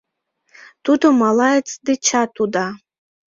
— Тудо малаец дечат уда!